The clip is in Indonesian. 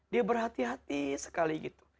dia berhati hati sekali gitu